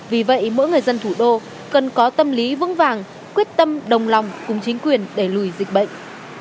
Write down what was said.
vì vậy mỗi người dân thủ đô cần có tâm lý vững vàng quyết tâm đồng lòng cùng chính quyền đẩy lùi dịch bệnh